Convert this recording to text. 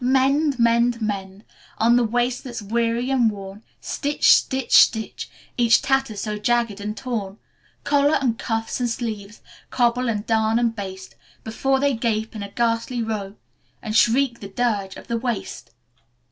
"Mend, mend, mend, On the waist that's weary and worn. Stitch, stitch, stitch, Each tatter so jagged and torn. Collar and cuffs and sleeves, Cobble and darn and baste, Before they gape in a ghastly row, And shriek the dirge of the waist."